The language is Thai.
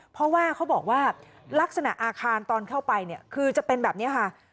เพราะว่าเขาบอกว่าลักษณะอาคารตอนเข้าไปเนี่ยคือจะเป็นแบบนี้ค่ะ